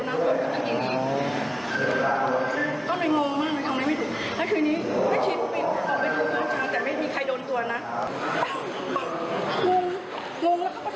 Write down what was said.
ลงไปทำแผ่นอย่างนี้อย่างนี้